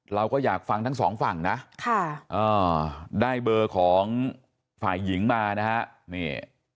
เราก็อยากฟังทั้งสองฝั่งนะได้เบอร์ของฝ่ายหญิงมานะฮะนี่